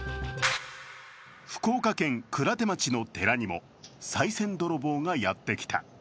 福岡県鞍手町の寺にもさい銭泥棒がやってきた。